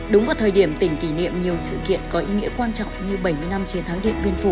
đúng vào thời điểm tỉnh kỷ niệm nhiều sự kiện có ý nghĩa quan trọng như bảy mươi năm chiến thắng điện biên phủ